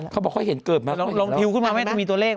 เขาบอกเข้ลงคิวขึ้นมามีตัวเลข